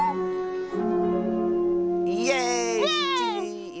イエーイ！